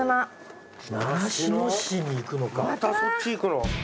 またそっち行くの？